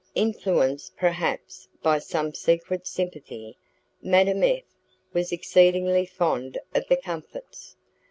Influenced perhaps by some secret sympathy, Madame F. was exceedingly fond of the comfits.